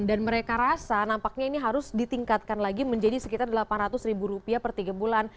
dan mereka rasa nampaknya ini harus ditingkatkan lagi menjadi sekitar delapan ratus ribu rupiah per tiga bulan